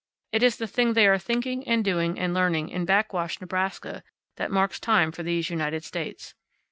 It is the thing they are thinking, and doing, and learning in Backwash, Nebraska, that marks time for these United States.